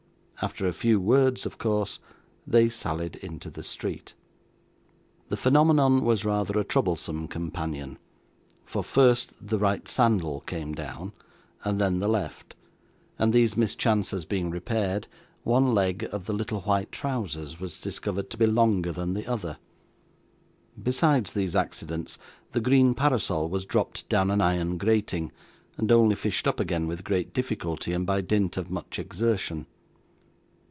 After a few words of course, they sallied into the street. The phenomenon was rather a troublesome companion, for first the right sandal came down, and then the left, and these mischances being repaired, one leg of the little white trousers was discovered to be longer than the other; besides these accidents, the green parasol was dropped down an iron grating, and only fished up again with great difficulty and by dint of much exertion.